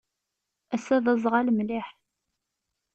Ass-a d azɣal mliḥ.